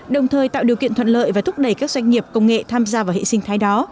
đồng thời tạo điều kiện thuận lợi và thúc đẩy các doanh nghiệp công nghệ tham gia vào hệ sinh thái đó